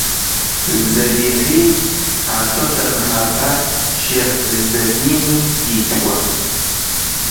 زەبیحی هاتۆتە مەهاباد شێخ عیززەدینی دیتووە